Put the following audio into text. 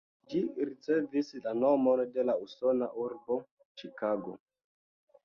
Ĝi ricevis la nomon de la usona urbo Ĉikago.